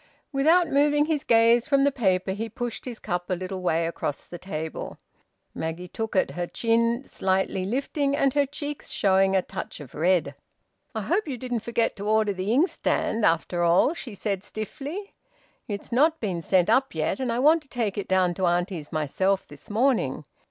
Without moving his gaze from the paper, he pushed his cup a little way across the table. Maggie took it, her chin slightly lifting, and her cheeks showing a touch of red. "I hope you didn't forget to order the inkstand, after all," she said stiffly. "It's not been sent up yet, and I want to take it down to auntie's myself this morning.